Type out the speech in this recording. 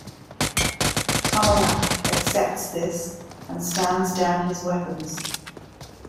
Tomalak accepts this and stands down his weapons.